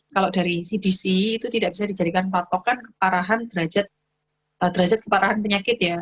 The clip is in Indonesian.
kalau dari cdc itu tidak bisa dijadikan patokan keparahan derajat keparahan penyakit ya